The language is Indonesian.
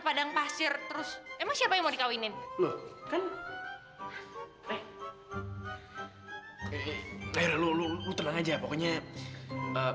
padang pasir terus emang siapa yang mau dikawinin lu kan eh eh eh eh lu lu lu tenang aja pokoknya